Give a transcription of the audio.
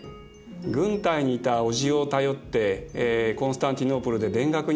軍隊にいたおじを頼ってコンスタンティノープルで勉学に励みました。